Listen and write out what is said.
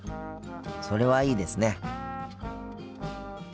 それはいいですね。